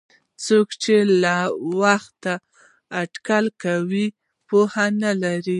څوک چې له وخته اټکل کوي پوهه نه لري.